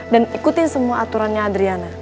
dan ikutin semua aturannya adriana